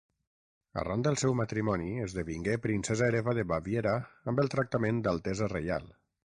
Arran del seu matrimoni esdevingué princesa hereva de Baviera amb el tractament d'altesa reial.